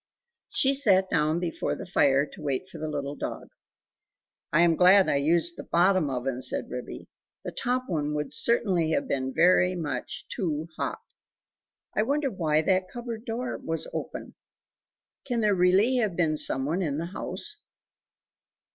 She sat down before the fire to wait for the little dog. "I am glad I used the BOTTOM oven," said Ribby, "the top one would certainly have been very much too hot. I wonder why that cupboard door was open? Can there really have been some one in the house?"